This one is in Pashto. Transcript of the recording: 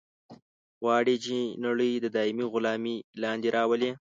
غواړي چې نړۍ د دایمي غلامي لاندې راولي.